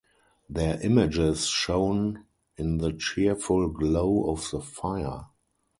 Their images shone in the cheerful glow of the fire.